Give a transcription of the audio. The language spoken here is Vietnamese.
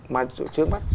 mà chủ trương